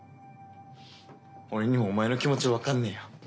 俺にもお前の気持ち分かんねぇよ。